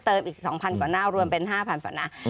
อีก๒๐๐กว่าหน้ารวมเป็น๕๐๐กว่าหน้า